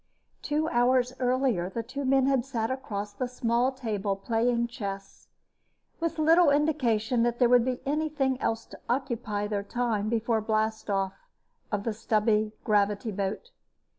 Two hours earlier the two men had sat across a small table playing chess, with little indication there would be anything else to occupy their time before blastoff of the stubby gravity boat.